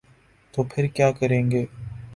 تو پھر کیا کریں گے؟